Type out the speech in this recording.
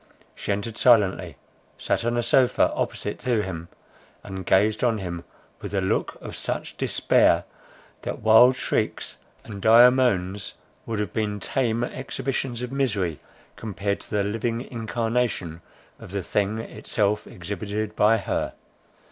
She entered silently, sat on a sofa opposite to him, and gazed on him with a look of such despair, that wildest shrieks and dire moans would have been tame exhibitions of misery, compared to the living incarnation of the thing itself exhibited by her.